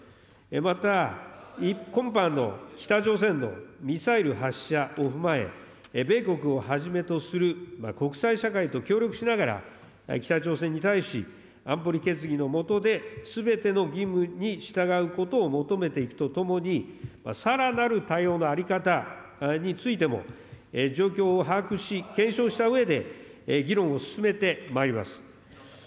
また今般の北朝鮮のミサイル発射を踏まえ、米国をはじめとする国際社会と協力しながら、北朝鮮に対し、安保理決議の下で、すべての義務に従うことを求めていくとともに、さらなる対応の在り方についても、状況を把握し、検証したうえで、議論を進めてまいります。